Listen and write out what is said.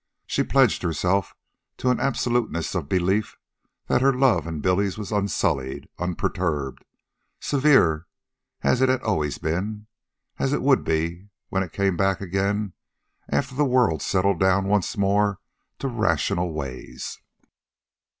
She pledged herself to an absoluteness of belief that her love and Billy's was unsullied, unperturbed severe as it had always been, as it would be when it came back again after the world settled down once more to rational ways.